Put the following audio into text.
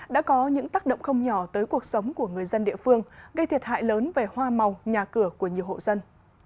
đã có những tác động không nhỏ tới cuộc sống của người dân địa phương gây thiệt hại lớn về hoa màu nhà cửa của nhiều hộ dân